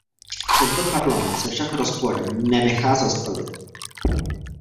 Tento Parlament se však rozporem nenechá zastavit.